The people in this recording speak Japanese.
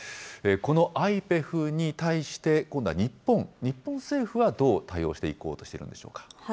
このＩＰＥＦに対して、今度は日本、日本政府はどう対応していこうとしているんでしょうか。